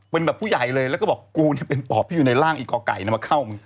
เป็นแบบผู้ใหญ่เลยแล้วก็บอกกูเนี่ยเป็นปอบที่อยู่ในร่างอีกก่อไก่มาเข้ามึง